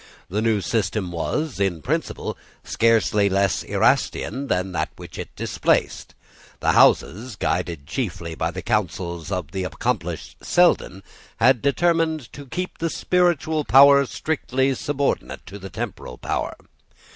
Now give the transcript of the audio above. The new system was, in principle, scarcely less Erastian than that which it displaced. The Houses, guided chiefly by the counsels of the accomplished Selden, had determined to keep the spiritual power strictly subordinate to the temporal power.